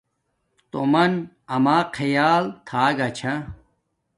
تومن اما خیال تھا گا چھا